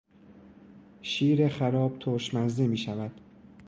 شیر خراب ترش مزه میشود.